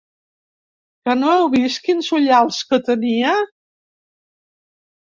Que no heu vist quins ullals que tenia?